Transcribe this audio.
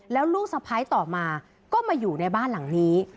แล้วลูกสะพ้ายต่อมาก็มาอยู่ในบ้านหลังนี้